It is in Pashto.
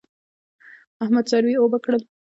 احمد څاروي اوبه کړل.